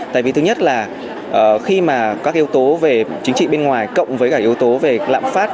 tại vì thứ nhất là khi mà các yếu tố về chính trị bên ngoài cộng với cả yếu tố về lạm phát